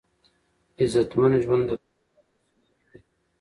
عزتمن ژوند د تقوا په سیوري کې دی.